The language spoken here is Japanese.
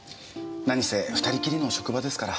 何せ２人きりの職場ですから。